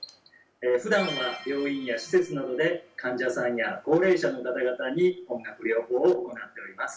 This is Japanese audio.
ふだんは病院や施設などで患者さんや高齢者の方々に音楽療法を行っております。